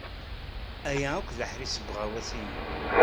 Aya akk d aḥric seg uɣawas-inu.